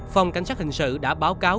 phòng cảnh sát hình sự đã báo cáo